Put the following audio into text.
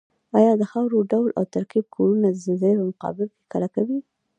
ایا د خاورې ډول او ترکیب کورنه د زلزلې په مقابل کې کلکوي؟